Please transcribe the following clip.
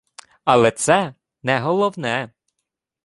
Але це – не головне